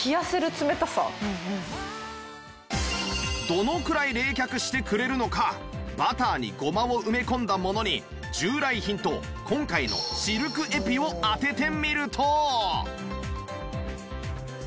どのくらい冷却してくれるのかバターにゴマを埋め込んだものに従来品と今回のシルクエピを当ててみると